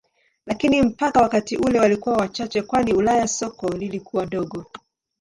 Lakini mpaka wakati ule walikuwa wachache kwani Ulaya soko lilikuwa dogo.